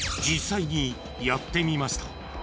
［実際にやってみました］